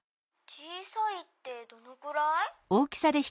「小さいってどのくらい？」。